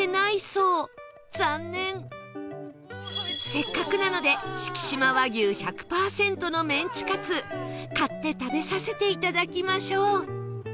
せっかくなので敷島和牛１００パーセントのメンチカツ買って食べさせていただきましょう